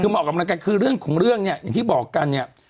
คือมาออกกำลังกายคือเรื่องของเรื่องเนี่ยอย่างที่บอกกันเนี่ย